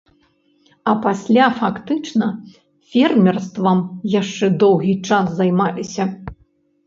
А пасля фактычна фермерствам яшчэ доўгі час займаліся.